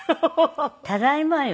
「ただいま」よ。